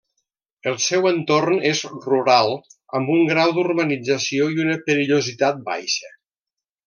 El seu entorn és rural, amb un grau d'urbanització i una perillositat baixa.